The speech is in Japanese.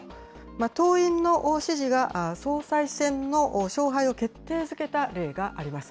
党員の支持が、総裁選の勝敗を決定づけた例があります。